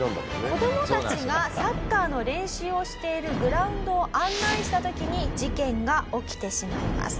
子どもたちがサッカーの練習をしているグラウンドを案内した時に事件が起きてしまいます。